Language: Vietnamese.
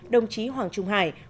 đồng chí hoàng trung hải